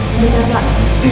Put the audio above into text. sebentar ya pak